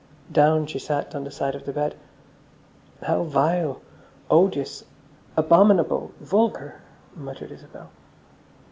Down she sat on the side of the bed. "How vile, odious, abominable, vulgar," muttered Isabel.